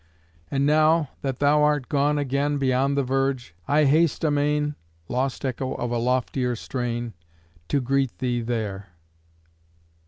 And now, that thou art gone again Beyond the verge, I haste amain (Lost echo of a loftier strain) To greet thee there.